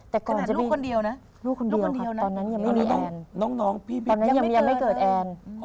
แต่ก่อนจะมีลูกคนเดียวนะลูกคนเดียวนะน้องพี่บี๊ตอนนั้นยังไม่เกิดแอน